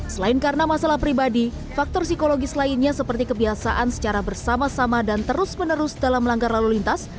selain karena masalah pribadi faktor psikologis lainnya seperti kebiasaan secara bersama sama dan terus menerus dalam melanggar lalu lintas